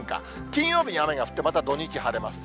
金曜日に雨が降って、また土日、晴れます。